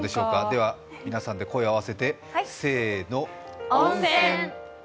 では皆さんで声を合わせて、せーの温泉！